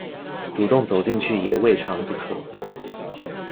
主動走進去也未嘗不可